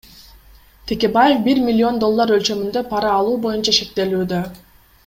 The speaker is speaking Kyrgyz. Текебаев бир миллион доллар өлчөмүндө пара алуу боюнча шектелүүдө.